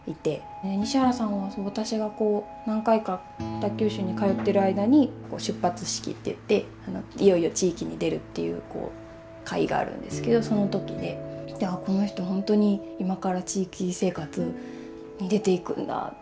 北九州に通ってる間に出発式っていっていよいよ地域に出るっていう会があるんですけどその時でこの人ほんとに今から地域生活に出ていくんだって。